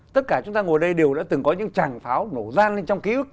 tất cả chúng ta ngồi đây đều đã từng có những chàng pháo nổ gian lên trong ký ức